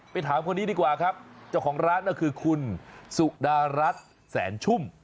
ถามคนนี้ดีกว่าครับเจ้าของร้านก็คือคุณสุดารัฐแสนชุ่ม